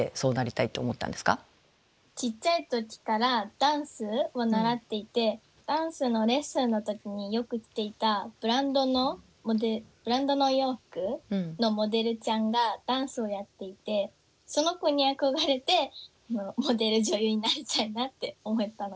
ちっちゃい時からダンスを習っていてダンスのレッスンの時によく着ていたブランドのお洋服のモデルちゃんがダンスをやっていてその子に憧れてモデル女優になりたいなって思ったのがきっかけです。